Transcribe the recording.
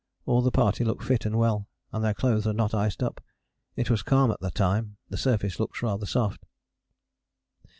All the party look fit and well, and their clothes are not iced up. It was calm at the time: the surface looks rather soft.